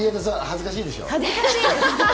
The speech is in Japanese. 恥ずかしいです。